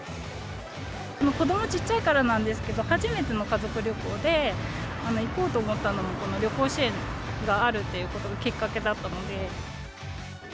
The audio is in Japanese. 子どもちっちゃいからなんですけど、初めての家族旅行で、行こうと思ったのも、この旅行支援があるっていうことがきっかけだったので。